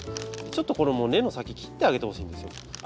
ちょっとこれもう根の先切ってあげてほしいんですよ。